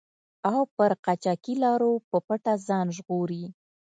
او پر قاچاقي لارو په پټه ځان ژغوري.